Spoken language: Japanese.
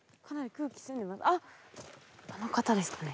あっあの方ですかね？